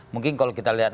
mungkin kalau kita lihat